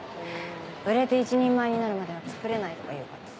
売れて一人前になるまではつくれないとか言うからさ。